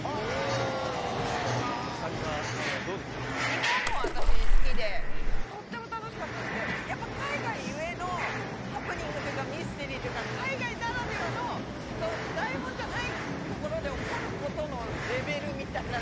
日本も私好きでとっても楽しかったんですけどやっぱり海外ゆえのハプニングというかミステリーというか海外ならではの台本じゃない所で起こることのレベルみたいなのが。